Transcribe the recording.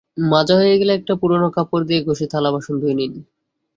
মাজা হয়ে গেলে একটা পুরোনো কাপড় দিয়ে ঘষে থালা-বাসন ধুয়ে নিন।